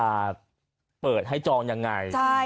จะเปิดให้จองยังไง